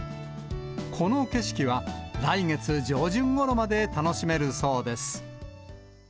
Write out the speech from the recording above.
この景色は、来月上旬ごろまで楽しめるそうです。